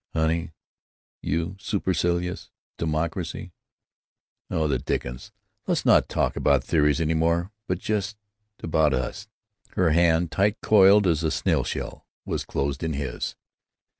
"Honey! You—supercilious? Democracy—— Oh, the dickens! let's not talk about theories any more, but just about Us!" Her hand, tight coiled as a snail shell, was closed in his.